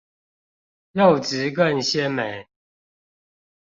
肉質更鮮美